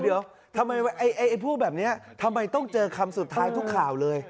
เดี๋ยวทำไมพูดแบบนี้ทำไมต้องเจอคำสุดท้ายทุกข่าวเลย